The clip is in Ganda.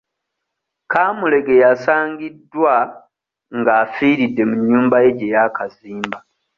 Kaamulegeya asangiddwa nga afiiridde mu nnyumba ye gye yaakazimba.